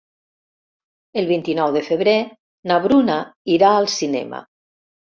El vint-i-nou de febrer na Bruna irà al cinema.